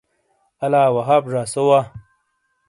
الا وہاب زا سو وا۔